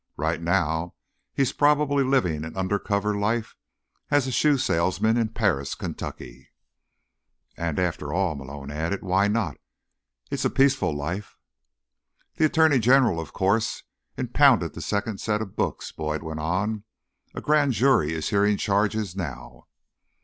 Right now, he's probably living an undercover life as a shoe salesman in Paris, Kentucky." "And, after all," Malone added, "why not? It's a peaceful life." "The attorney general, of course, impounded the second set of books," Boyd went on. "A grand jury is hearing charges now."